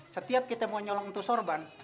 setiap kita mau nyolong untuk sorban